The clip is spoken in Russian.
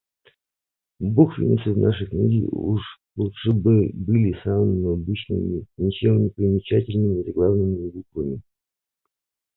Буквицы в вашей книге уж лучше бы были самыми обычными ничем непримечательными заглавными буквами.